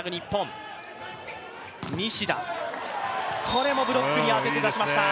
これもブロックに当てて出しました！